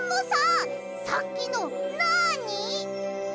さっきのなに？